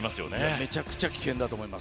めちゃくちゃ危険だと思います。